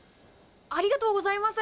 ありがとうございます。